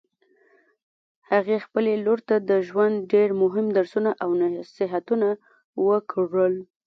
هغې خپلې لور ته د ژوند ډېر مهم درسونه او نصیحتونه ورکړل